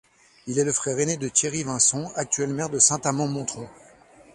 Il est le frère aîné de Thierry Vinçon, actuel maire de Saint-Amand-Montrond.